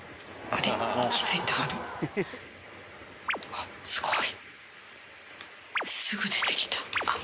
あっすごい。